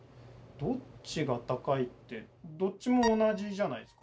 どっちが高いってどっちも同じじゃないですか？